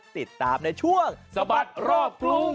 ติดตามในช่วงสะบัดรอบกรุง